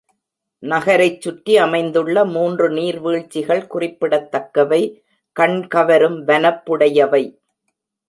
நகரைச் சுற்றி அமைந்துள்ள மூன்று நீர் வீழ்ச்சிகள் குறிப்பிடத்தக்கவை கண்கவரும் வனப்புடையவை.